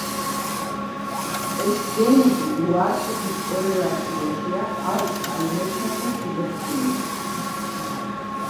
ეს გენები უარყოფით კორელაციაშია ალცჰაიმერთან და შიზოფრენიასთან.